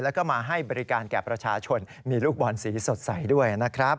แล้วก็มาให้บริการแก่ประชาชนมีลูกบอลสีสดใสด้วยนะครับ